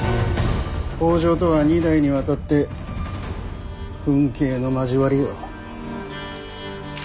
北条とは二代にわたって刎頸の交わりよ。